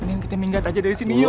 yang kita minggat aja dari sini yuk